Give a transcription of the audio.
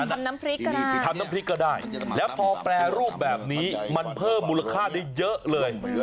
อะไรแบบนั้นนะทำน้ำพริกก็ได้แล้วพอแปรรูปแบบนี้มันเพิ่มมูลค่าได้เยอะเลย